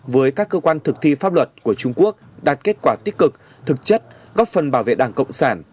với các cơ quan thực thi pháp luật của trung quốc đạt kết quả tích cực thực chất góp phần bảo vệ đảng cộng sản